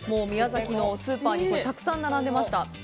宮崎のスーパーにたくさん並んでました。